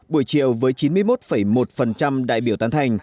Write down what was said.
buổi chiều với chín mươi một một đại biểu tán thành